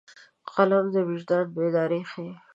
قلم د وجدان بیداري ښيي